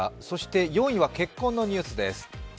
そして４位は結婚のニュースです。